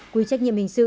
quý trách nhiệm hình sự